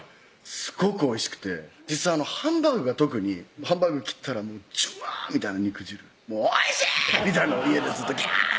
すごくおいしくて実際ハンバーグが特にハンバーグ切ったらジュワーみたいな肉汁「おいしい！」みたいな家でずっと「ギャー！」